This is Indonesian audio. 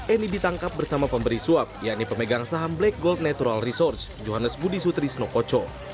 eni ditangkap bersama pemberi swap yakni pemegang saham black gold natural research johannes budi sutrisnokocho